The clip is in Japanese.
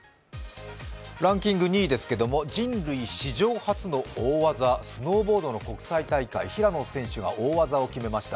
ランキング２位ですけれども人類史上初の大技、スノーボードの国際大会、平野選手が大技を決めました。